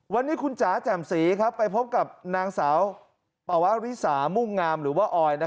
วันนี้คุณจ๋าแจ่มสีไปพบกับนางสาวปวริสามุ่งงามหรือว่าออย